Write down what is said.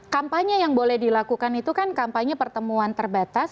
kampanye yang boleh dilakukan itu kan kampanye pertemuan terbatas